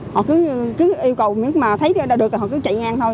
họ cứ yêu cầu nếu mà thấy ra được thì họ cứ chạy ngang thôi